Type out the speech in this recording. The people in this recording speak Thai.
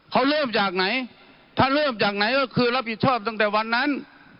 เขาเริ่มจากไหนถ้าเริ่มจากไหนก็คือรับผิดชอบตั้งแต่วันนั้น